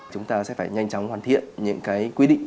chúng ta sẽ phải nhanh chóng hoàn thiện những cái quy định